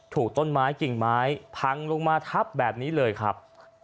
ถูกต้นไม้กิ่งไม้พังลงมาทับแบบนี้เลยครับ